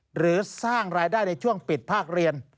หรือสร้างรายได้ในช่วงปิดภาคเรียน